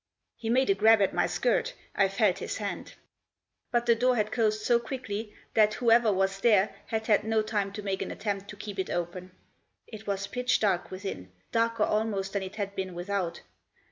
" He made a grab at my skirt ; I felt his hand !" But the door had closed so quickly that whoever was there had had no time to make an attempt to keep it open. It was pitch dark within, darker almost than it had been without.